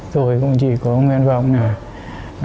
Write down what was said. rồi cũng chỉ có nguyên vọng này